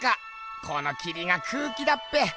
このきりが空気だっぺ。